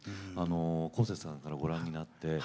こうせつさんからご覧になって